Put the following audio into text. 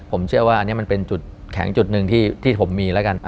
ผมเชื่อว่าอันนี้มันเป็นจุดแข็งจุดหนึ่งที่ผมมีแล้วกัน